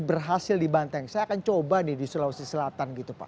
berhasil di banteng saya akan coba nih di sulawesi selatan gitu pak